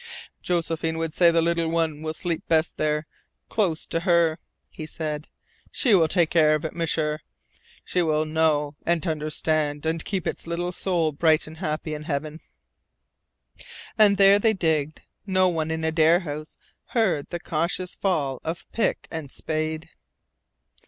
"Josephine would say the little one will sleep best there, close to HER," he said. "She will care for it, M'sieur. She will know, and understand, and keep its little soul bright and happy in Heaven." And there they digged. No one in Adare House heard the cautious fall of pick and spade.